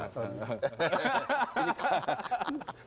tidak tidak tidak